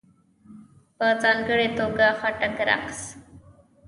په ځانګړې توګه ..خټک رقص..